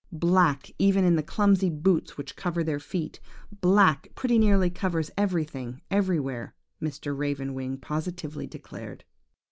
Black even the clumsy boots which cover their feet. Black pretty nearly everything, everywhere, Mr. Raven wing positively declared.